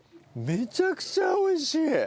めちゃくちゃ美味しい！